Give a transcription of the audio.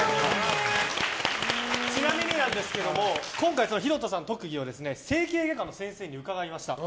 ちなみになんですけども今回、広田さんの特技を整形外科の先生に伺いました。